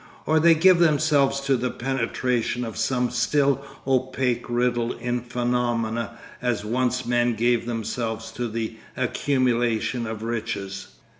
Or they give themselves to the penetration of some still opaque riddle in phenomena as once men gave themselves to the accumulation of riches.